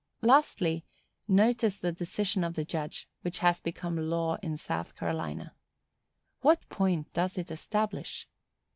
Lastly, notice the decision of the judge, which has become law in South Carolina. What point does it establish?